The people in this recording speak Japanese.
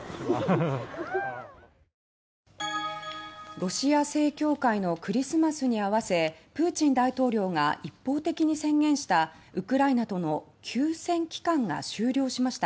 ロシア正教会のクリスマスに合わせプーチン大統領が一方的に宣言したウクライナとの休戦期間が終了しました。